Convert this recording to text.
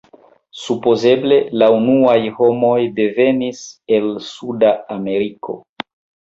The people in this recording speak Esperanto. Supozeble la unuaj homoj devenis el Suda Ameriko.